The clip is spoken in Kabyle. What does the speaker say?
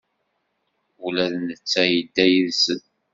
Ula d netta yedda yid-sen.